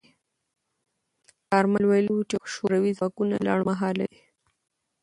کارمل ویلي و چې شوروي ځواکونه لنډمهاله دي.